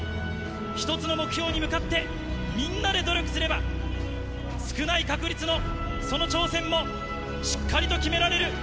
一つの目標に向かって、みんなで努力すれば、少ない確率のその挑戦もしっかりと決められる。